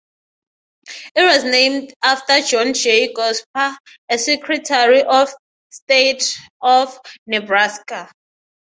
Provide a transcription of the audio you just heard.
It was named after John J. Gosper, a Secretary of State of Nebraska.